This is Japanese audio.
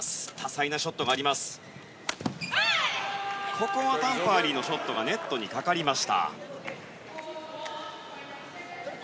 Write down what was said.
ここはタン・パーリーのショットがネットにかかりました。